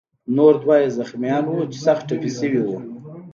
نور دوه یې زخمیان وو چې سخت ټپي شوي وو.